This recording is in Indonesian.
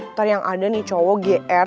ntar yang ada nih cowok gr